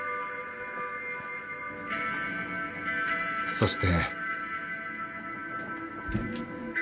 そして。